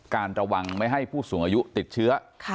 การระวังไม่ให้ผู้สูงอายุติดเชื้อ